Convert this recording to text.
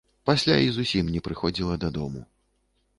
Пасля і зусім не прыходзіла дадому.